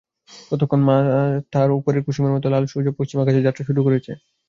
ততক্ষণ মাথার ওপরের কুসুমের মতো লাল সূর্য পশ্চিম আকাশে যাত্রা শুরু করেছে।